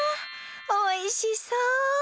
おいしそう！